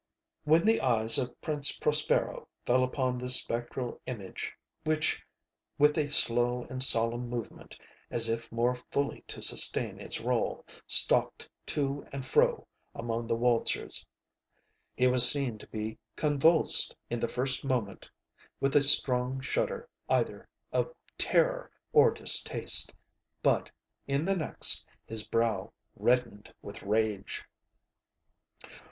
When the eyes of Prince Prospero fell upon this spectral image (which with a slow and solemn movement, as if more fully to sustain its role, stalked to and fro among the waltzers) he was seen to be convulsed, in the first moment with a strong shudder either of terror or distaste; but, in the next, his brow reddened with rage.